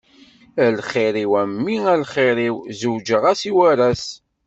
A lxir-iw a mmi a lxir-iw, zewǧeɣ-as i waras.